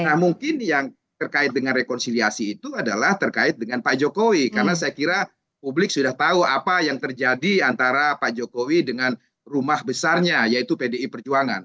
nah mungkin yang terkait dengan rekonsiliasi itu adalah terkait dengan pak jokowi karena saya kira publik sudah tahu apa yang terjadi antara pak jokowi dengan rumah besarnya yaitu pdi perjuangan